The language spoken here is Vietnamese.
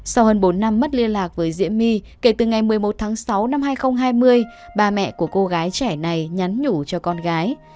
sau hơn bốn năm mất liên lạc với diễm my kể từ ngày một mươi một tháng sáu năm hai nghìn hai mươi bà mẹ của cô gái trẻ này nhắn nhủ cho con gái